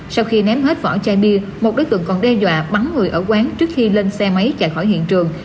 sau khi ném hết vỏ chai bia một đối tượng còn đe dọa bắn người ở quán trước khi lên xe máy chạy khỏi hiện trường